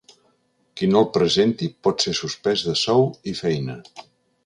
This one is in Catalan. Qui no el presenti, pot ser suspès de sou i feina.